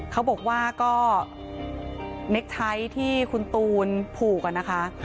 เขาบอกว่าก็เน็กไทท์ที่คุณตูนผูกอะนะคะ